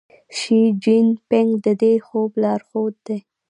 شي جین پینګ د دې خوب لارښود دی.